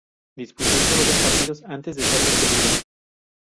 Disputó sólo dos partidos antes de ser despedido.